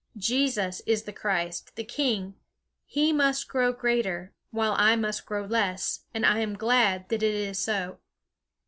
Jesus is the Christ, the king. He must grow greater, while I must grow less; and I am glad that it is so."